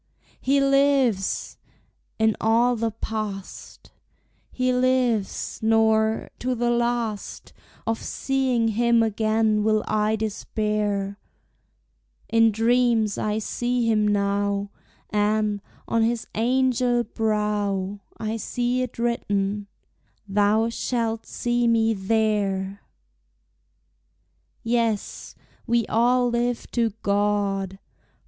He lives! In all the past He lives; nor, to the last, Of seeing him again will I despair; In dreams I see him now; And, on his angel brow, I see it written, "Thou shalt see me there!" Yes, we all live to God!